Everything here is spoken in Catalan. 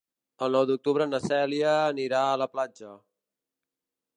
El nou d'octubre na Cèlia anirà a la platja.